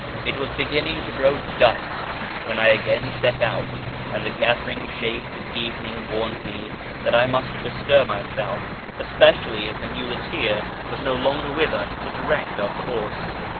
It was beginning to grow dusk when I again set out, and FROM ISFAHAN TO SHIRAz 237 the gathering shades of evening warned me that I must bestir myself, especially as the muleteer was no longer with us to direct our course.